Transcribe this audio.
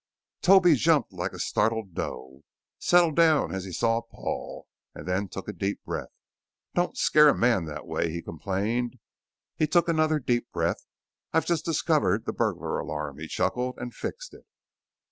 Toby jumped like a startled doe, settled down as he saw Paul, and then took a deep breath. "Don't scare a man that way," he complained. He took another deep breath. "I've just discovered the burglar alarm," he chuckled. "And fixed it!"